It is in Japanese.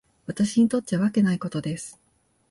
私にとっちゃわけないことです。